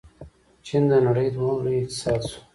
چین د نړۍ دویم لوی اقتصاد شو.